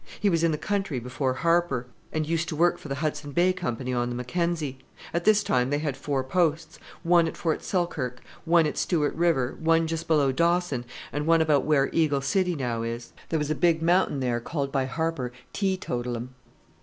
He was in the country before Harper, and used to work for the Hudson Bay Company on the Mackenzie. At this time they had four posts one at Fort Selkirk, one at Stewart River, one just below Dawson, and one about where Eagle City now is. There was a big mountain there called by Harper Teetotalim.